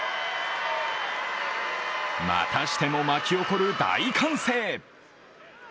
またしても巻き起こる大歓声。